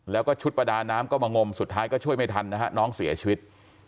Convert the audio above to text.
แล้วก็ชุดประดาน้ำก็มางมสุดท้ายก็ช่วยไม่ทันนะฮะน้องเสียชีวิต